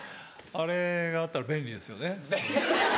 あれがあったら便利ですよね。